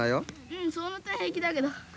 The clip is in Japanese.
うんその点平気だけど。